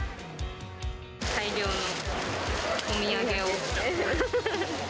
大量のお土産を。